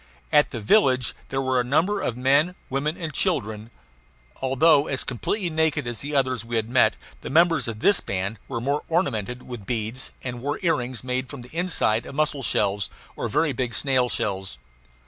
At the village there were a number of men, women, and children. Although as completely naked as the others we had met, the members of this band were more ornamented with beads, and wore earrings made from the inside of mussel shells or very big snail shells.